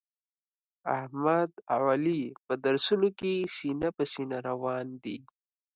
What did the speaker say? احمد او علي په درسونو کې سینه په سینه روان دي.